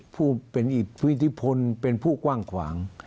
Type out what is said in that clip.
ผู้เป็นอีกผู้มีที่พลเป็นผู้กว้างขวาง